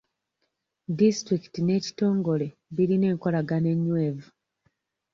Disitulikiti n'ekitongole birina enkolagana ennywevu.